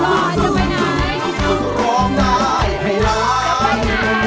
จะไปไหน